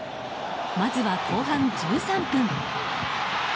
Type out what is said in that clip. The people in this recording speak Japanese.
まずは後半１３分。